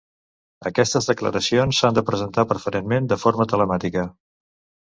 Aquestes declaracions s'han de presentar preferentment de forma telemàtica.